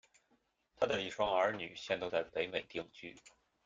她的一双儿女现都在北美定居。